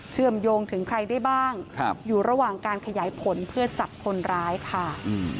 เชื่อมโยงถึงใครได้บ้างอยู่ระหว่างการขยายผลเพื่อจับคนร้ายค่ะ